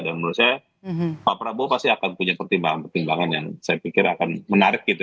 dan menurut saya pak prabowo pasti akan punya pertimbangan pertimbangan yang saya pikir akan menarik gitu